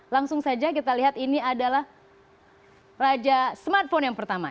langsung saja kita lihat ini adalah raja smartphone yang pertama